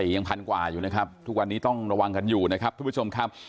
ยังพันกว่าอยู่นะครับทุกวันนี้ต้องระวังกันอยู่นะครับทุกผู้ชมครับ